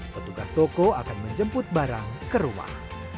petugas toko akan menjemput barang ke rumah